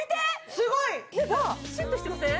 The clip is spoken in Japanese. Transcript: すごいシュッとしてません？